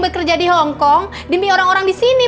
dari sekolah di hongkong dari segala kualitas di dunia